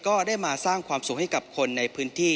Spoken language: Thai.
ก็ได้มาสร้างความสุขให้กับคนในพื้นที่